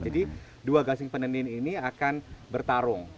jadi dua gasing penendin ini akan bertarung